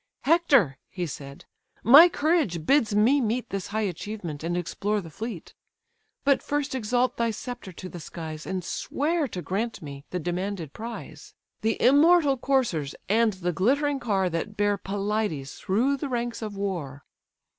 "Hector! (he said) my courage bids me meet This high achievement, and explore the fleet: But first exalt thy sceptre to the skies, And swear to grant me the demanded prize; The immortal coursers, and the glittering car, That bear Pelides through the ranks of war.